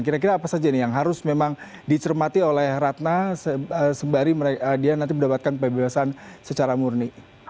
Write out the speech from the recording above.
kira kira apa saja nih yang harus memang dicermati oleh ratna sembari dia nanti mendapatkan pembebasan secara murni